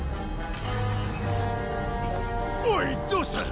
おいどうした！？